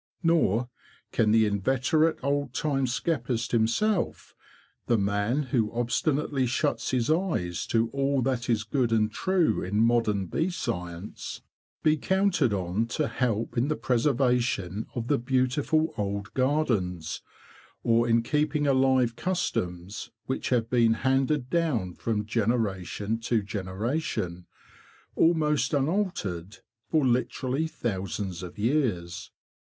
Nor can the inveterate, old time skeppist himself —the man who obstinately shuts his eyes to all that is good and true in modern bee science—be counted 13 14 THE BEE MASTER OF WARRILOW on to help in the preservation of the beautiful old gardens, or in keeping alive customs which have been handed down from generation to generation, almost unaltered, for literally thousands of years.